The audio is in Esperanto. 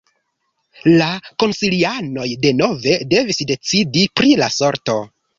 La konsilianoj denove devis decidi pri la sorto.